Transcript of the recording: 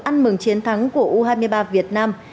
ăn mừng chiến thắng của u hai mươi ba việt nam